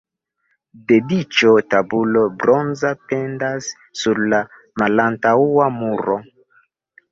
Dediĉo tabulo bronza pendas sur la malantaŭa muro.